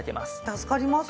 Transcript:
助かります。